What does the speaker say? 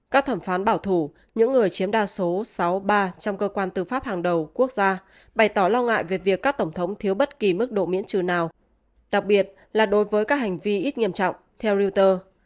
các thẩm phán bảo thủ những người chiếm đa số sáu ba trong cơ quan tư pháp hàng đầu quốc gia bày tỏ lo ngại về việc các tổng thống thiếu bất kỳ mức độ miễn trừ nào đặc biệt là đối với các hành vi ít nghiêm trọng theo reuters